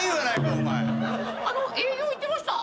あの営業行ってました。